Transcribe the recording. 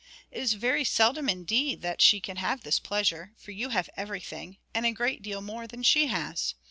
It is very seldom indeed that she can have this pleasure, for you have everything, and a great deal more than she has.